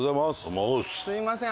すみません